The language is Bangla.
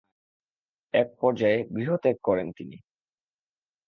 এক পর্যায়ে গৃহত্যাগ করেন তিনি।